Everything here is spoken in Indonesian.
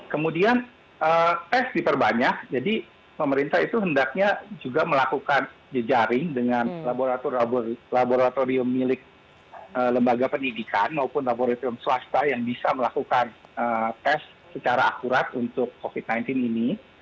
kemudian tes diperbanyak jadi pemerintah itu hendaknya juga melakukan jejaring dengan laboratorium milik lembaga pendidikan maupun laboratorium swasta yang bisa melakukan tes secara akurat untuk covid sembilan belas ini